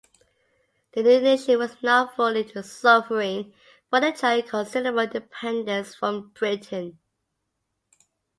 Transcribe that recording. The new nation was not fully sovereign, but enjoyed considerable independence from Britain.